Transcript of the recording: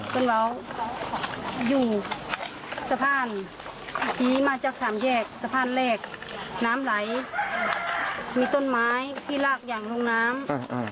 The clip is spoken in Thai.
ว้าวอยู่สะพานหนีมาจากสามแยกสะพานแรกน้ำไหลมีต้นไม้ที่ลากอย่างลงน้ำ